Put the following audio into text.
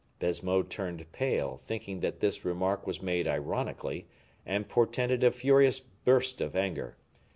Baisemeaux turned pale, thinking that this remark was made ironically, and portended a furious burst of anger.